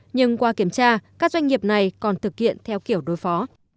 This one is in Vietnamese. nhưng qua kiểm tra các doanh nghiệp này còn thực hiện theo kiểu đối phó